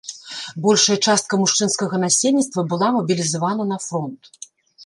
Большая частка мужчынскага насельніцтва была мабілізавана на фронт.